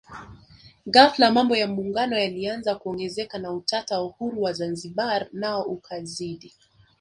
Ghafla mambo ya Muungano yalianza kuongezeka na utata wa uhuru wa Zanzibar nao ukazidi